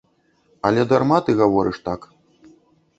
Але дарма ты гаворыш так.